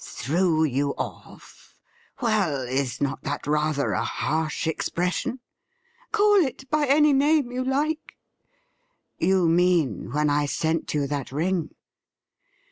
' Threw you off ! Well, is not that rather a harsh ex pression .'''' Call it by any name you like.' ' You mean when I sent you that ring